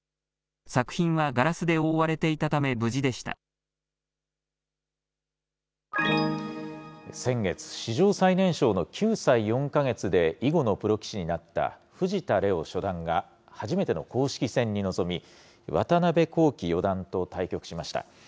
作品はガラスで覆われていたため先月、史上最年少の９歳４か月で囲碁のプロ棋士になった藤田怜央初段が、初めての公式戦に臨み、渡辺貢規四段と対局しました。